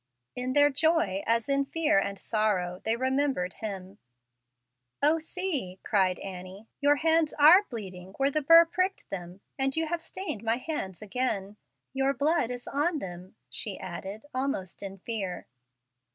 In their joy, as in fear and sorrow, they remembered Him. "O, see!" cried Annie, "your hands are bleeding where the burr pricked them, and you have stained my hands again. Your blood is on them," she added, almost in fear.